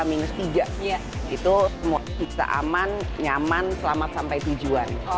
itu kita aman nyaman selamat sampai tujuan